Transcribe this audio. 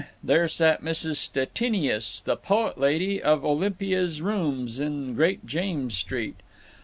_" There sat Mrs. Stettinius, the poet lady of Olympia's rooms on Great James Street.